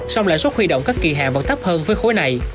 song lãi suất huy động các kỳ hạn vẫn thấp hơn với khối này